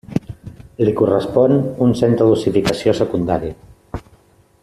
Li correspon un centre d'ossificació secundari.